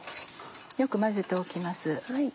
よく混ぜておきます。